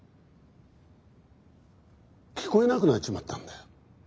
聞こえなくなっちまったんだよ。